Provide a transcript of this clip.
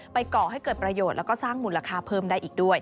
ก่อให้เกิดประโยชน์แล้วก็สร้างมูลค่าเพิ่มได้อีกด้วย